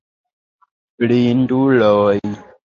Blinduloj!